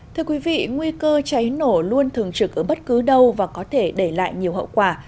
thưa quý vị nguy cơ cháy nổ luôn thường trực ở bất cứ đâu và có thể để lại nhiều hậu quả